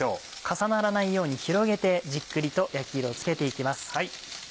重ならないように広げてじっくりと焼き色をつけて行きます。